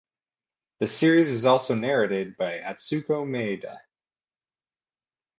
The series is also narrated by Atsuko Maeda.